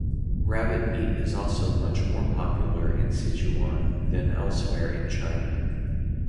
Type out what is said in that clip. Rabbit meat is also much more popular in Sichuan than elsewhere in China.